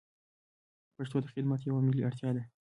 پښتو ته خدمت یوه ملي اړتیا ده.